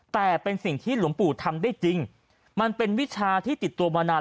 แต่เป็นสิ่งที่หลวงปู่ทำได้จริงมันเป็นวิชาที่ติดตัวมานาน